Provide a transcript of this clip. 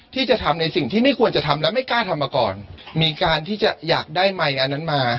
ที่จะทำในสิ่งที่ไม่ควรจะทำและไม่กล้าทำมาก่อนมีการที่จะอยากได้ไมค์อันนั้นมา